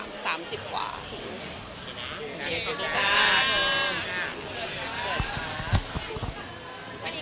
ไม่มีไข้